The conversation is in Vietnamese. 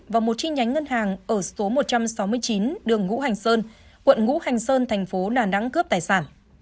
và một chi nhánh ngân hàng ở số một trăm sáu mươi chín đường ngũ hành sơn quận ngũ hành sơn thành phố đà nẵng cướp tài sản